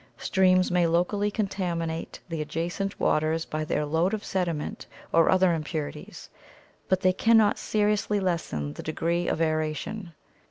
Streams may locally contaminate the adjacent waters by their load of sediment or other impurities, but they can not seriously lessen the degree of aeration.